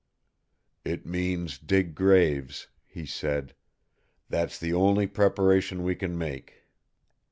"It means dig graves," he said. "That's the only preparation we can make!"